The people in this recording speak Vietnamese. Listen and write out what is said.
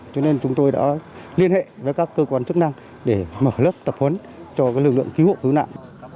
cho nên chúng tôi đã liên hệ với các cơ quan chức năng để mở lớp tập huấn cho lực lượng cứu hộ cứu nạn